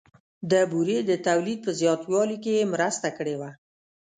د بورې د تولید په زیاتوالي کې یې مرسته کړې وي